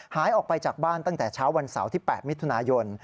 หายออกไปจากบ้านตั้งแต่เช้าวันเสาร์ที่๘มิถุนายน